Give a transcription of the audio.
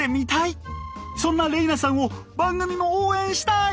そんな玲那さんを番組も応援したい！